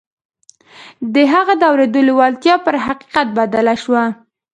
د هغه د اورېدو لېوالتیا پر حقيقت بدله شوه.